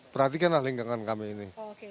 perhatikan ahli genggaman kami ini